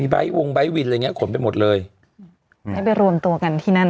ไบท์วงไบท์วินอะไรอย่างเงี้ขนไปหมดเลยให้ไปรวมตัวกันที่นั่น